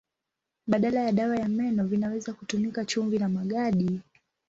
Badala ya dawa ya meno vinaweza kutumika chumvi na magadi.